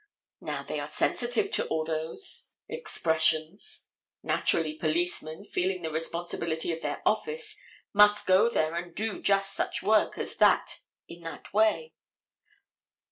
Now they are sensitive to all those expressions. Naturally policemen, feeling the responsibility of their office, must go there and do just such work as that, in that way.